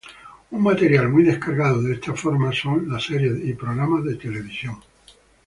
Un material muy descargado de esta forma son las series y programas de televisión.